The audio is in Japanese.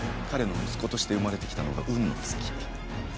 彼の息子として生まれてきたのが運の尽き。